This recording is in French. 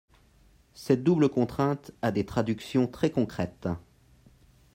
Cette double contrainte a des traductions très concrètes.